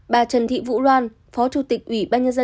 bà trần thị vũ loan phó chủ tịch ubnd